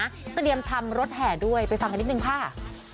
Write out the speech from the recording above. เตรียมทำรถแห่ด้วยไปฟังกันนิดนึงค่ะ